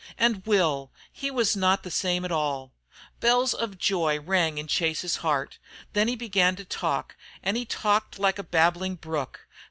And Will he was not the same at all. Bells of joy rang in Chase's heart. Then he began to talk and he talked like a babbling brook.